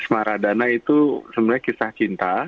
maradana itu sebenarnya kisah cinta